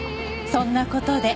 そんな事で。